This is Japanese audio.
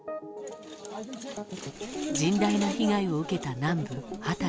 甚大な被害を受けた南部ハタイ。